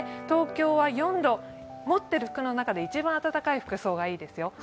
東京は４度、持っている服の中で一番温かい服装がいいですよ。